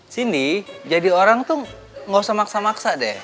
sini jadi orang tuh gak usah maksa maksa deh